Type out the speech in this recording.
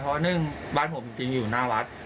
เพราะหนึ่งบ้านผมจริงอยู่หน้าวัด